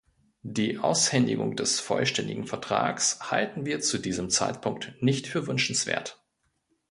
Die Aushändigung des vollständigen Vertrags halten wir zu diesem Zeitpunkt nicht für wünschenswert.